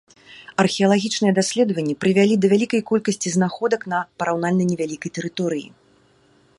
Археалагічныя даследаванні прывялі да вялікай колькасці знаходак на параўнальна невялікай тэрыторыі.